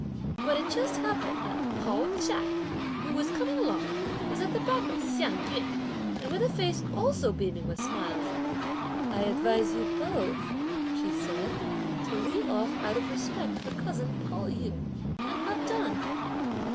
But it just happened that Pao ch'ai, who was coming along, was at the back of Hsiang yün, and with a face also beaming with smiles: "I advise you both," she said, "to leave off out of respect for cousin Pao yü, and have done."